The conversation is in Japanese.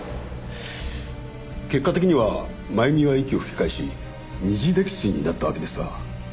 結果的には真弓は息を吹き返し二次溺水になったわけですが。